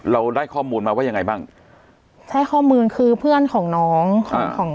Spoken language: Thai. เราได้ข้อมูลมาว่ายังไงบ้างใช่ข้อมูลคือเพื่อนของน้องของของ